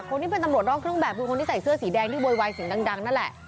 คนที่เป็นตำรวจนอกเครื่องแบบคือคนที่ใส่เสื้อสีแดงที่โวยวายเสียงดังนั่นแหละ